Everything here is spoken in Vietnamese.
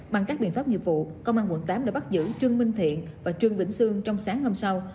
bằng các biện pháp nghiệp vụ công an quận tám đã bắt giữ trương minh thiện và trương vĩnh sương trong sáng hôm sau